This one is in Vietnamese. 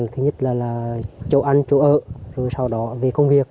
thứ nhất là chỗ ăn chỗ ở rồi sau đó về công việc